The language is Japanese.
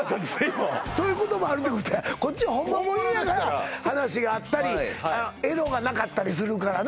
今そういうこともあるってことやこっちはホンマもんやから話が合ったりエロがなかったりするからな